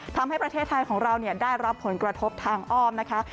ทำให้ประเทศไทยของเราได้รับผลกระทบทางอ้อมนะคะ